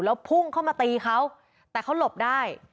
แล้วพุ่งเข้ามาตีเขาแต่เขาหลบได้